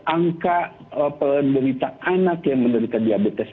angka penderita anak yang menderita diabetes